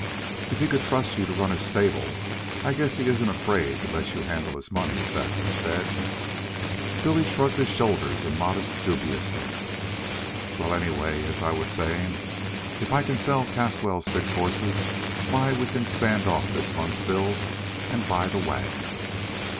"If he could trust you to run his stable, I guess he isn't afraid to let you handle his money," Saxon said. Billy shrugged his shoulders in modest dubiousness. "Well, anyway, as I was sayin' if I can sell Caswell's six horses, why, we can stand off this month's bills an' buy the wagon."